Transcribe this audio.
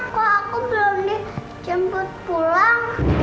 kok aku belum dijemput pulang